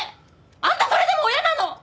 あんたそれでも親なの！？